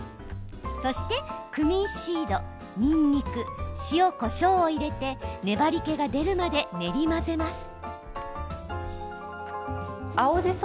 そして、クミンシード、にんにく塩、こしょうを入れて粘りけが出るまで練り混ぜます。